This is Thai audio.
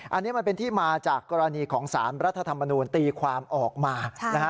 อันนี้มันเป็นที่มาจากกรณีของสารรัฐธรรมนูลตีความออกมานะฮะ